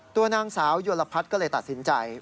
ตัวนางสาวยลพัฒน์ก็เลยตัดสินใจ